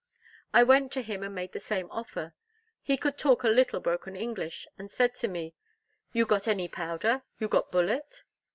I went to him, and made the same offer. He could talk a little broken English, and said to me, "You got any powder? You got bullet?"